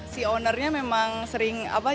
si ownernya memang sering apa